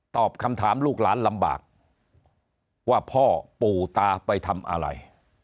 ตอบคำถามลูกหลานลำบากว่าพ่อปู่ตาไปทำอะไร